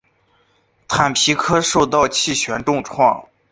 坦皮科受到气旋重创。